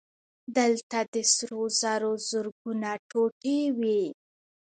دلته د سرو زرو زرګونه ټوټې وې